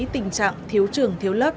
tình trạng thiếu trường thiếu lớp